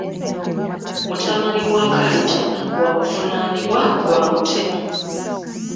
Mutabani wa Kalita waakuvunaanibwa gwa butemu.